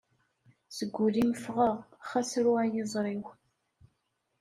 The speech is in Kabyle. Seg ul-im fɣeɣ, xas ru ay iẓri-w.